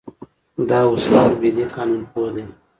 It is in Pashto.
دا استاد مهدي قانونپوه دی.